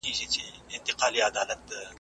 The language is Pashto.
نه روپۍ به له جېبو څخه ورکیږي `